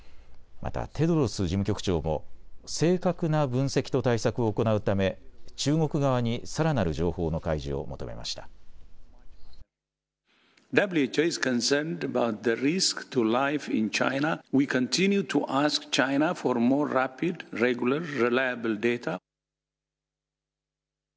またテドロス事務局長も正確な分析と対策を行うため中国側にさらなる情報の開示を求めました。